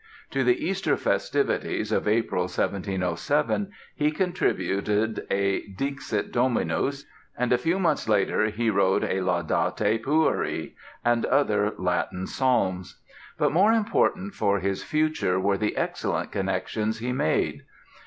To the Easter festivities of April, 1707, he contributed a "Dixit Dominus" and a few months later he wrote a "Laudate Pueri" and other Latin Psalms. But more important for his future were the excellent connections he made.